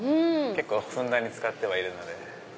ふんだんに使ってはいるので。